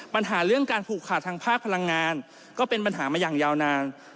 ปัญหาเรื่องการผูกขาดทางภาคพลังงานก็เป็นปัญหามาอย่างยาวนาน